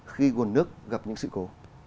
khi nguồn nước gặp những sự cố